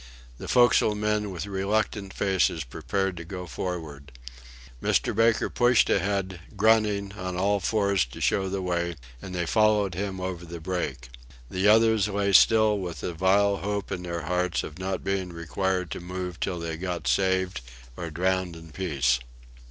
The forecastle men, with reluctant faces, prepared to go forward. Mr. Baker pushed ahead, grunting, on all fours to show the way, and they followed him over the break. The others lay still with a vile hope in their hearts of not being required to move till they got saved or drowned in peace.